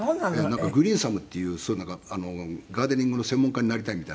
なんかグリーンサムっていうガーデニングの専門家になりたいみたいな事があって。